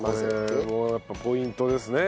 これもやっぱポイントですね。